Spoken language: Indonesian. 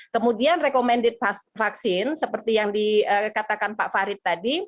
kemudian recommended vaksin seperti yang dikatakan pak farid tadi